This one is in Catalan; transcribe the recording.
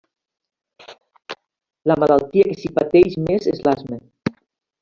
La malaltia que s'hi pateix més és l'asma.